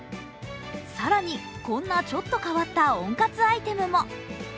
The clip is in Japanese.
更に、こんなちょっと変わった温活アイテムも。